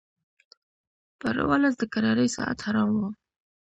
پر اولس د کرارۍ ساعت حرام وو